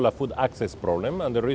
tetapi tergantung oleh perang di ukraina